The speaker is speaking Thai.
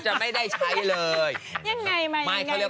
ใช้เงินฟุนฟวยไม่ได้